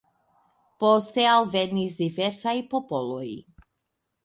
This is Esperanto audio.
Poste alvenis diversaj popoloj.